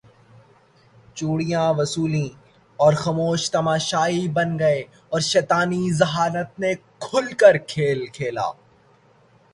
چوڑیاں وصولیں اور خاموش تماشائی بن گئے اور شیطانی ذہانت نے کھل کر کھیل کھیلا